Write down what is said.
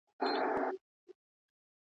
هريو څاڅکی يې هلمند دی ,